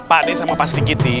pak de sama pak stigiti